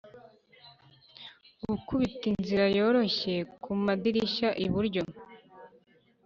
gukubita inzira yoroshye kumadirishya iburyo